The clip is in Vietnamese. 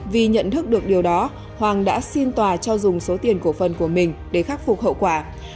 vì nhận thức được điều đó hoàng đã xin tòa cho dùng số tiền cổ phần của mình để khắc phục hậu quả